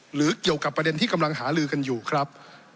หรือเกี่ยวกับประเด็นที่กำลังหาลือกันอยู่ครับ